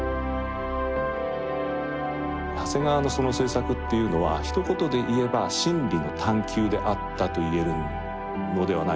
長谷川のその制作っていうのはひと言で言えば真理の探究であったと言えるのではないかなと思っております。